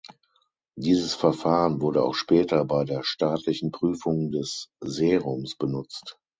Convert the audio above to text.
Dieses Verfahren wurde auch später bei der staatlichen Prüfung des Serums benutzt.